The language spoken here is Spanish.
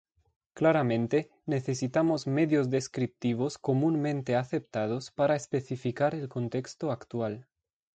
Claramente, necesitamos medios descriptivos comúnmente aceptados para especificar el contexto actual.